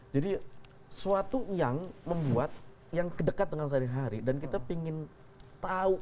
jadi suatu yang membuat yang kedekat dengan sehari hari dan kita ingin tahu